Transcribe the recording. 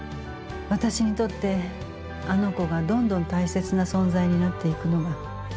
私にとってあの子がどんどん大切な存在になっていくのが。